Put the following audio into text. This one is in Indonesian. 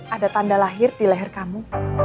ada tanda lahir di leher kamu